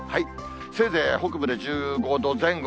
せいぜい北部で１５度前後。